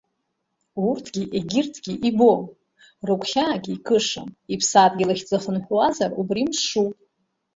Урҭгьы егьырҭгьы ибом, рыгәхьаагьы икышам, иԥсадгьыл ахь дзыхынҳәуазар, убри мшуп.